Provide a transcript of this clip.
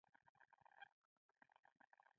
چي تر څنګ په تناره راسره ناست وې